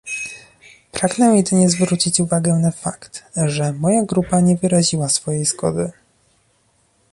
Pragnę jedynie zwrócić uwagę na fakt, że moja grupa nie wyraziła swojej zgody